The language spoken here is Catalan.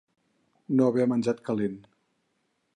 No haver menjat calent.